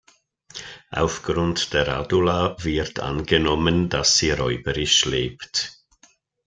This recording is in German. Aufgrund der Radula wird angenommen, dass sie räuberisch lebt.